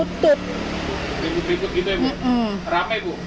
berikut berikut gitu ya bu rame bu